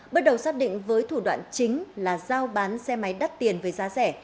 bước đầu xác định với thủ đoạn chính là giao bán xe máy đắt tiền với giá rẻ